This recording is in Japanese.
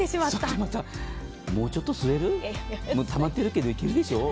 そして、もうちょっと吸えるたまってるけど行けるでしょう。